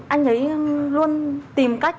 anh ấy luôn tìm cách